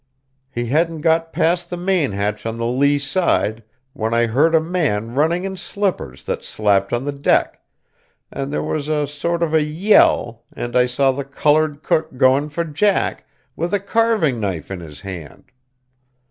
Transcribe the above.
He hadn't got past the main hatch on the lee side, when I heard a man running in slippers that slapped on the deck, and there was a sort of a yell and I saw the coloured cook going for Jack, with a carving knife in his hand.